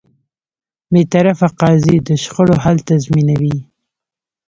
بېطرفه قاضی د شخړو حل تضمینوي.